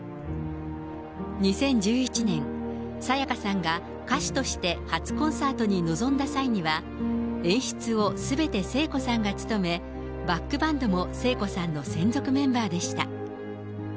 ２０１１年、沙也加さんが歌手として初コンサートに臨んだ際には、演出をすべて聖子さんが務め、バックバンドも聖子さんの専属メンバーでした。